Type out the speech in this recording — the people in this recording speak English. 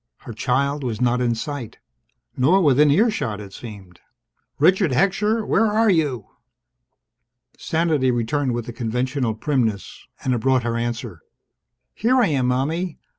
Her child was not in sight. Nor within earshot, it seemed. "Richard Heckscher! Where are you?" Sanity returned with the conventional primness. And it brought her answer. "Here I am, Mommie!